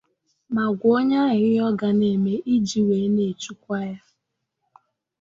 ma gwa onye ahụ ihe ọ ga na-eme iji wee na-echukwa ya